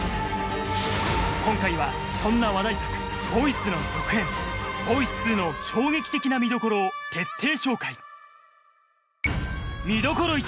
今回はそんな話題作『ボイス』の続編『ボイス』の衝撃的な見どころを徹底紹介